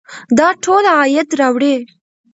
دا ټول عاید راوړي.